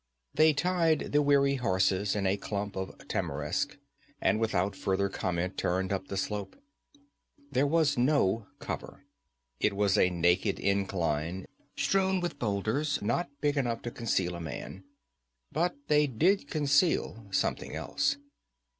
They tied the weary horses in a clump of tamarisk and without further comment turned up the slope. There was no cover. It was a naked incline, strewn with boulders not big enough to conceal a man. But they did conceal something else.